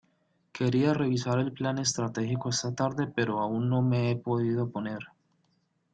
Quería revisar el plan estratégico esta tarde, pero aún no me he podido poner.